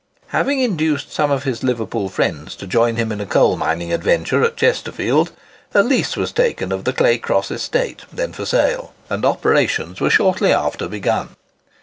Having induced some of his Liverpool friends to join him in a coal mining adventure at Chesterfield, a lease was taken of the Claycross estate, then for sale, and operations were shortly after begun.